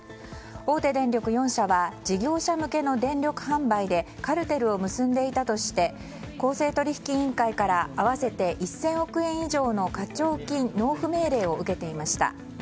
大手電力４社は事業者向けの電力販売でカルテルを結んでいたとして公正取引委員会から合わせて１０００億円以上の課徴金納付命令を受けていました。